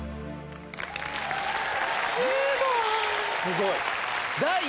すごい！